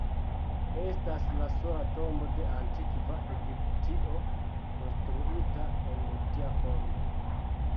Estas la sola tombo de antikva Egiptio konstruita en tia formo.